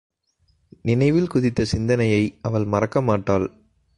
நினைவில் குதித்த சிந்தனையை அவள் மறக்க மாட்டாள்.